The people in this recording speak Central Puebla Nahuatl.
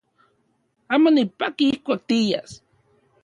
Amo nipaki ijkuak tias.